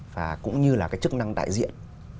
và cũng như là cái chức năng đại diện